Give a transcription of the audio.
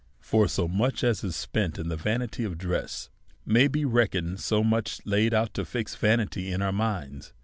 For what is spent in the vanity of dress, may be reckoned so much laid out to fix vanity in our minds.